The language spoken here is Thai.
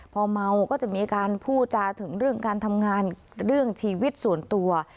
พอเมาก็จะมีการพูดจาถึงเรื่องการทำงานเรื่องชีวิตส่วนตัว